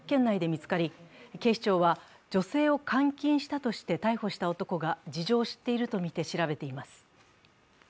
見つかり警視庁は、女性を監禁したとして逮捕した男が事情を知っているとみて調べています。